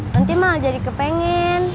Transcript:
nanti malah jadi kepengen